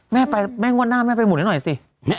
แม่ไปแม่งวดหน้าแม่ไปหมุนให้หน่อยสิ